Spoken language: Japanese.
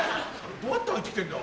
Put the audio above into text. どうやって入ってきてんだ？